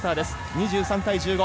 ２３対１５。